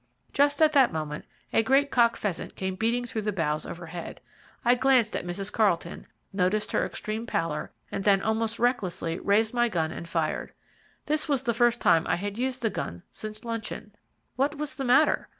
Just at that moment a great cock pheasant came beating through the boughs overhead. I glanced at Mrs. Carlton, noticed her extreme pallor, and then almost recklessly raised my gun and fired. This was the first time I had used the gun since luncheon. What was the matter?